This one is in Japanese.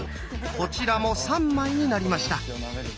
こちらも３枚になりました。